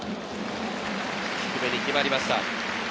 低めに決まりました。